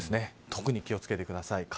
特に気を付けてください。